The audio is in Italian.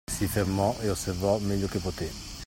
Si fermò e osservò meglio che potè.